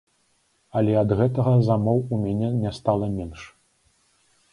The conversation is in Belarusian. Але ад гэтага замоў у мяне не стала менш.